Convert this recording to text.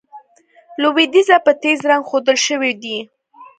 لوېدیځه په تېز رنګ ښودل شوي دي.